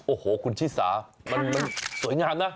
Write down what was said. โอ้โหคุณชิสามันสวยงามนะ